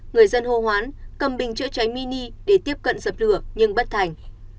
người dân hô hoán cầm bình chữa cháy mini để tiếp cận dập lửa nhưng bất thành